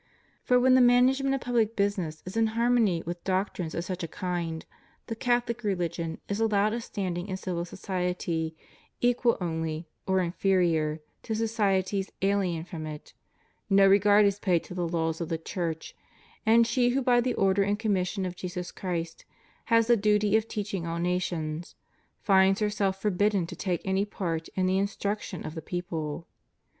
For when the management of public business is in harmony with doctrines of such a kind, the Catholic religion is allowed a standing in civil society equal only, or inferior, to societies alien from it; no regard is paid to the laws of the Church, and she who, by the order and commission of Jesus Christ, has the duty of teaching all nations, finds herself forbidden to take any part in the instruction of the people.